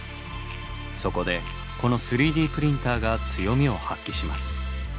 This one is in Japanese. そこでこの３Ｄプリンターが強みを発揮します。